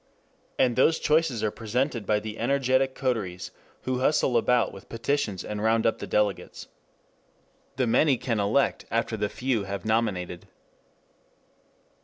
] And those choices are presented by the energetic coteries who hustle about with petitions and round up the delegates. The Many can elect after the Few have nominated.